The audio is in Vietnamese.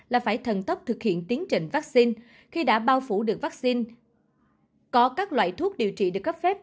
là phải thần tốc thực hiện tiến trình vắc xin khi đã bao phủ được vắc xin có các loại thuốc điều trị được cấp phép